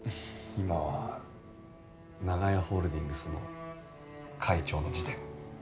今は長屋ホールディングスの会長の自伝。